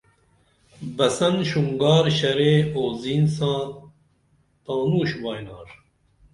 بسن شونگار شرے اُو زِین ساں تانوں شوبائنار